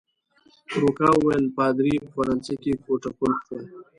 روکا وویل: پادري يې په فرانسه کې کوټه قلف کړه.